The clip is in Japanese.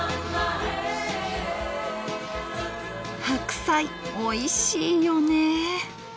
白菜おいしいよね！